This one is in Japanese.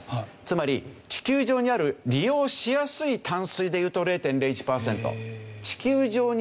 つまり地球上にある利用しやすい淡水で言うと０．０１パーセント。